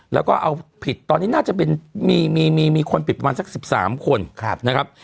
แล้วก็เอาผิดตอนนี้น่าจะเป็นมีคนผิดประมาณสัก๑๓คนนะครับ